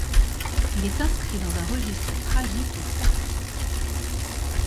Il est inscrit dans un registre tragique et pathétique.